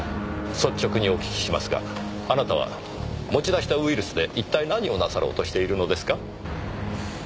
率直にお聞きしますがあなたは持ち出したウイルスで一体何をなさろうとしているのですか？